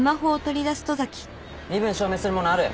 身分証明するものある？